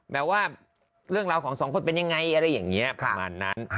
แบบว่าเรื่องราวของสองคนเป็นยังไงอะไรอย่างนี้ประมาณนั้น